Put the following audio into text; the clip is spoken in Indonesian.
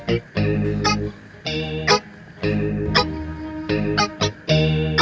jangan di sini